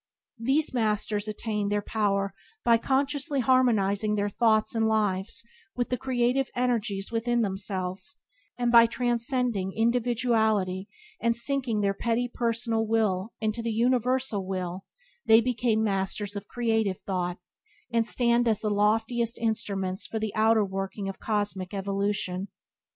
These Masters attained their power by consciously harmonizing their thoughts and lives with the creative energies within themselves, and by transcending individuality and sinking their petty personal will in the Universal Will they became Masters of Creative Thought, and stand as the loftiest instruments for the outworking of cosmic evolution.